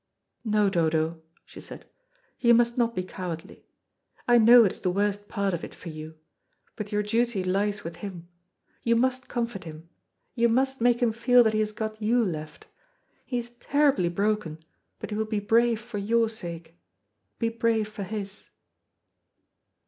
"No, Dodo," she said, "you must not be cowardly. I know it is the worst part of it for you. But your duty lies with him. You must comfort him. You must make him feel that he has got you left. He is terribly broken, but he will be brave for your sake. Be brave for his."